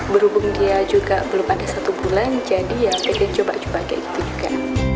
berhubung dia juga belum ada satu bulan jadi ya pengen coba coba kayak gitu juga